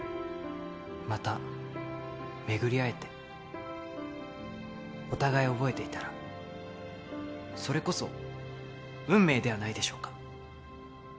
また巡り会えてお互い覚えていたらそれこそ運命ではないでしょうか